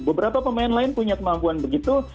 beberapa pemain lain punya kemampuan begitu